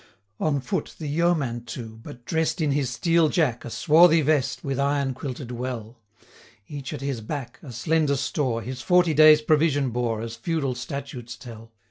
On foot the yeoman too, but dress'd In his steel jack, a swarthy vest, With iron quilted well; Each at his back (a slender store) 50 His forty days' provision bore, As feudal statutes tell.